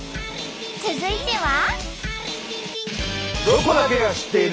続いては。